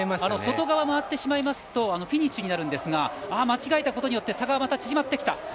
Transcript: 外側を回ってしまいますとフィニッシュになるんですが間違えたことによって差がまた縮まってきた。